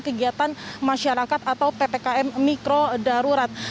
kegiatan masyarakat atau ppkm mikro darurat